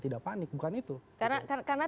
tidak panik bukan itu karena